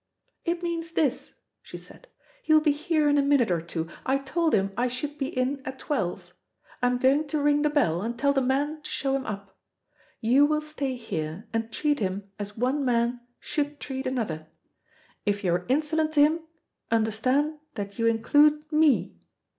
"It means this," she said. "He will be here in a minute or two; I told him I should be in at twelve. I am going to ring the bell and tell the man to show him up. You will stay here, and treat him as one man should treat another. If you are insolent to him, understand that you include me.